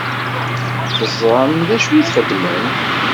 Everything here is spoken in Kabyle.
Teẓṛam d acu i txeddmem?